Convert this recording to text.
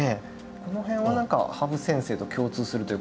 この辺は何か羽生先生と共通するというか。